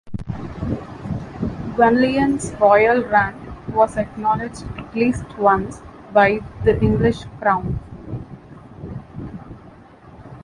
Gwenllian's royal rank was acknowledged at least once by the English Crown.